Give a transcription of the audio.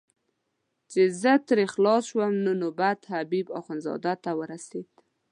چې زه ترې خلاص شوم نو نوبت حبیب اخندزاده ته ورسېد.